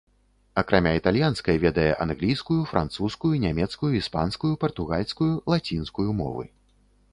Акрамя італьянскай, ведае англійскую, французскую, нямецкую, іспанскую, партугальскую, лацінскую мовы.